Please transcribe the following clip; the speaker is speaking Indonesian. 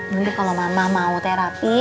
mungkin kalau mama mau terapi